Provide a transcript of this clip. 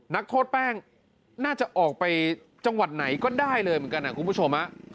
นักโทษแป้งน่าจะออกไปจังหวัดไหนก็ได้เลยเหมือนกันนะคุณผู้ชม